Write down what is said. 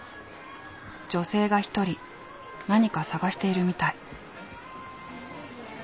女性が一人何か探しているみたい。